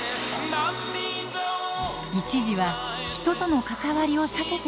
一時は人との関わりを避けてきたＲくん。